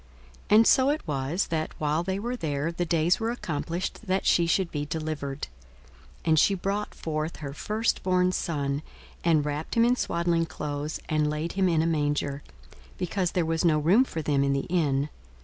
42:002:006 And so it was, that, while they were there, the days were accomplished that she should be delivered. 42:002:007 And she brought forth her firstborn son, and wrapped him in swaddling clothes, and laid him in a manger; because there was no room for them in the inn.